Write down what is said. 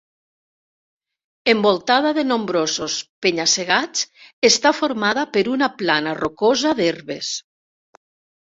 Envoltada de nombrosos penya-segats, està formada per una plana rocosa d'herbes.